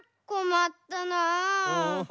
こまったな。